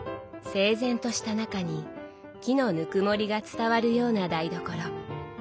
整然とした中に木のぬくもりが伝わるような台所。